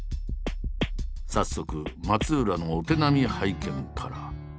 早速松浦のお手並み拝見から。